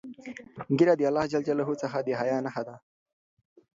ږیره د الله جل جلاله څخه د حیا نښه ده.